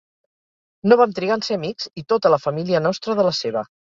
No vam trigar en ser amics i tota la família nostra de la seva.